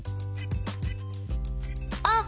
あっ！